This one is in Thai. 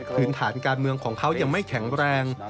พื้นฐานการเมืองของเขายังไม่แข็งแรง